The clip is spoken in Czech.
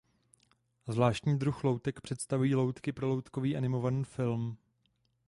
Zvláštní druh loutek představují loutky pro loutkový animovaný film.